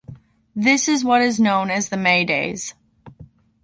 This is what is known as the May Days.